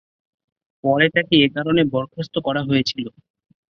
পরে তাকে এ কারণে বরখাস্ত করা হয়েছিল।